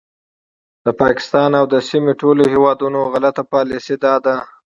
د پاکستان او د سیمې ټولو هیوادونو غلطه پالیسي دا ده